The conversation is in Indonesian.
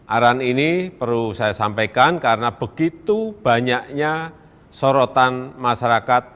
arahan ini perlu saya sampaikan karena begitu banyaknya sorotan masyarakat